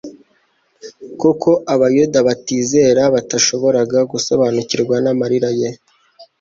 Kuko Abayuda batizera batashoboraga gusobanukirwa n'amarira ye